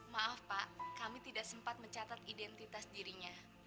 maaf pak kami tidak sempat mencatat identitas dirinya